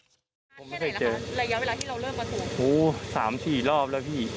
นานแค่ไหนล่ะคะระยะเวลาที่เราเริ่มมาถูกโอ้สามสี่รอบแล้วพี่